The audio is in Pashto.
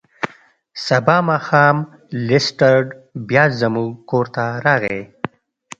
سبا ماښام لیسټرډ بیا زموږ کور ته راغی.